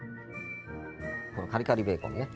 このカリカリベーコンね。